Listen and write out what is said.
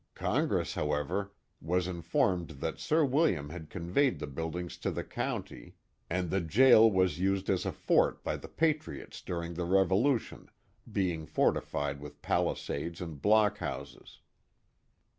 Congress, however, was informed that Sir William had conveyed the buildings to the county, and the jail Johnstown, New York 209 was used as a fort by the patriots during the Revolution, being fortified with palisades and block houses.